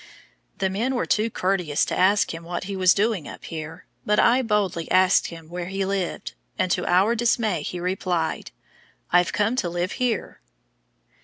The men were too courteous to ask him what he was doing up here, but I boldly asked him where he lived, and to our dismay he replied, "I've come to live here."